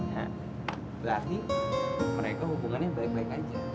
nah berarti mereka hubungannya baik baik aja